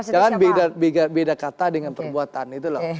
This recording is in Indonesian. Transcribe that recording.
jangan beda kata dengan perbuatan itu loh